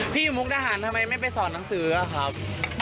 อยู่มุกดาหารทำไมไม่ไปสอนหนังสืออะครับ